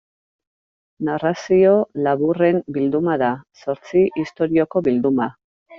Narrazio laburren bilduma da, zortzi istorioko bilduma.